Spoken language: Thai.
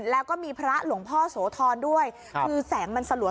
แล้วก็มีพระหลวงพ่อโสธรด้วยคือแสงมันสลัว